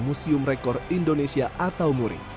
museum rekor indonesia atau muri